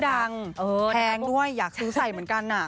แพงด้วยอยากซื้อใส่เหมือนกัน